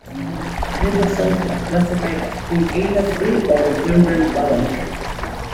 Ribosomes are classified as being either "free" or "membrane-bound".